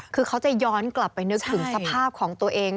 คือเขาจะย้อนกลับไปนึกถึงสภาพของตัวเอง